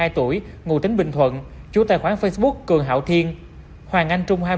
ba mươi hai tuổi ngụ tính bình thuận chú tài khoản facebook cường hảo thiên hoàng anh trung